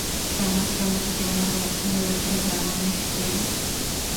সমাজতন্ত্র কেন ব্যর্থ হয়েছে জানো নিশ্চয়ই?